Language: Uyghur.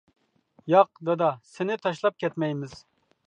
ياق، دادا، سېنى تاشلاپ كەتمەيمىز!